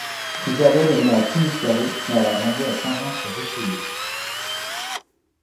Isabelle est née à Kingsbury, mais elle a grandi à Saint-Jean-sur-Richelieu.